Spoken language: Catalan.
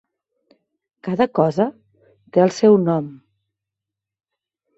Cada cosa té el seu nom.